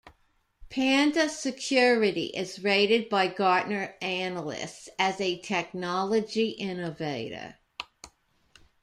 Panda Security is rated by Gartner analysts as a technology innovator.